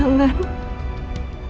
kantongan itu berisi barang bukti elsa